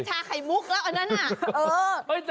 ชาไข่มุกแล้วอันนั้นน่ะ